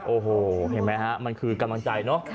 โอ้โหเห็นไหมฮะมันคือกำลังใจเนอะ